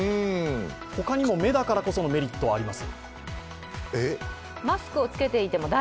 他にも目だからこそのメリットがあります。